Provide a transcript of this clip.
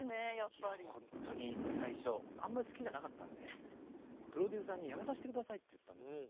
いやほんとに最初あんまり好きじゃなかったんでプロデューサーに辞めさせて下さいって言ったんです。